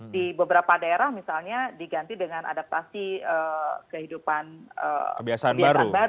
di beberapa daerah misalnya diganti dengan adaptasi kehidupan kebiasaan baru